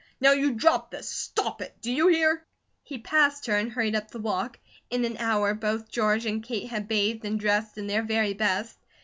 Now you drop this! Stop it! Do you hear?" He passed her and hurried up the walk. In an hour, both George and Kate had bathed and dressed in their very best.